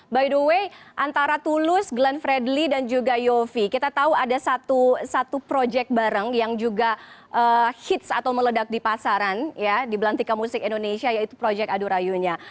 by the way antara tulus glenn fredly dan juga yofi kita tahu ada satu proyek bareng yang juga hits atau meledak di pasaran ya di belantika musik indonesia yaitu proyek adurayunya